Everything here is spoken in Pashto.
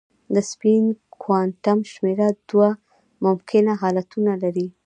د سپین کوانټم شمېره دوه ممکنه حالتونه لري.